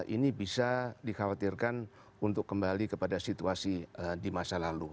ini bisa dikhawatirkan untuk kembali kepada situasi di masa lalu